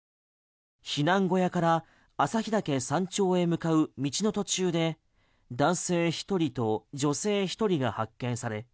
避難小屋から朝日岳山頂へ向かう道の途中で男性１人と女性１人が発見され